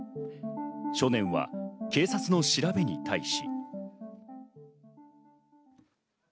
少年は警察の調べに対し。